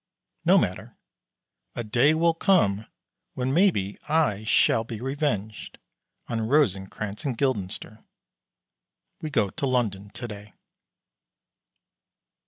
No matter, a day will come, when maybe I shall be revenged on Rosencrantz and Guildenstern. We go to London to day.